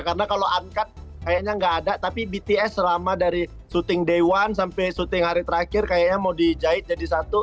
karena kalau uncut kayaknya nggak ada tapi bts selama dari shooting day one sampai shooting hari terakhir kayaknya mau dijahit jadi satu